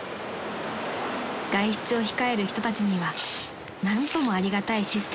［外出を控える人たちには何ともありがたいシステムです］